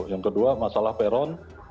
yang kedua masalah peron